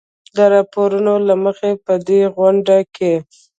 د راپورونو له مخې په دې غونډه کې